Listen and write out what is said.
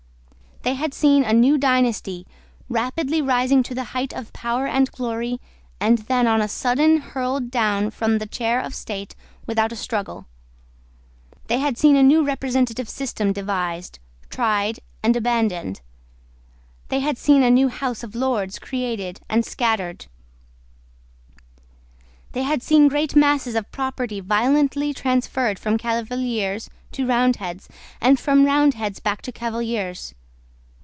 They had seen a new dynasty rapidly rising to the height of power and glory, and then on a sudden hurled down from the chair of state without a struggle. They had seen a new representative system devised, tried and abandoned. They had seen a new House of Lords created and scattered. They had seen great masses of property violently transferred from Cavaliers to Roundheads, and from Roundheads back to Cavaliers.